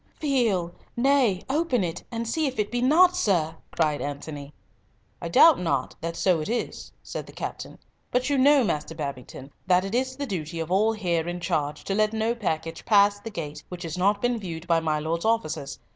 "Feel,—nay, open it, and see if it be not, sir," cried Antony. "I doubt not that so it is," said the captain; "but you know, Master Babington, that it is the duty of all here in charge to let no packet pass the gate which has not been viewed by my lord's officers."